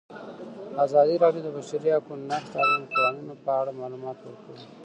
ازادي راډیو د د بشري حقونو نقض د اړونده قوانینو په اړه معلومات ورکړي.